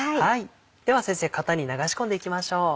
では先生型に流し込んでいきましょう。